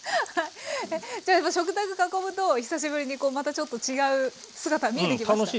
じゃあ食卓囲むと久しぶりにまたちょっと違う姿見えてきました？